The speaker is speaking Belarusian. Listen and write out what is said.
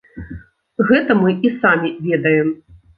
Гэта мы і самі ведаем.